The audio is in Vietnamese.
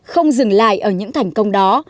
không dừng lại ở những thành công đó